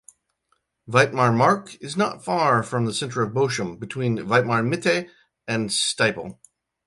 Weitmar-Mark is not far from the center of Bochum, between Weitmar-Mitte and Stiepel.